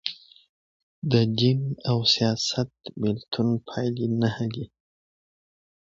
د دین او سیاست د بیلتون پایلي نهه دي.